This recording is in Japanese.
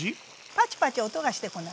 パチパチ音がしてこない？